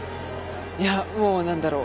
いやもう何だろう。